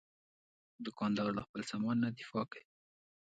دوکاندار له خپل سامان نه دفاع کوي.